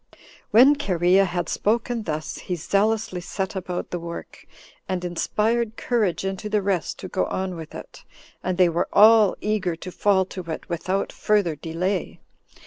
13. When Cherea had spoken thus, he zealously set about the work, and inspired courage into the rest to go on with it, and they were all eager to fall to it without further delay.